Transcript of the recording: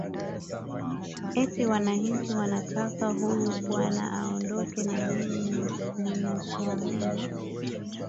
ati wananchi wanataka huyu bwana aondoke na mimi ninachoamini